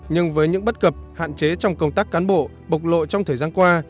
nhưng với những bất cập hạn chế trong công tác cán bộ bộc lộ trong thời gian qua